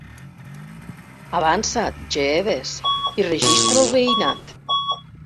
Avança't, Jeeves i registra el veïnat.